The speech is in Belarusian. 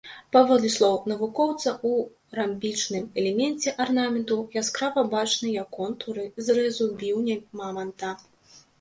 Паводле слоў навукоўца, у рамбічным элеменце арнаменту яскрава бачныя контуры зрэзу біўня маманта.